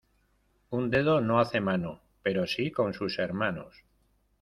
Un dedo no hace mano, pero sí con sus hermanos.